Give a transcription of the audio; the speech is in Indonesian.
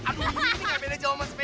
apulah gue minta mobil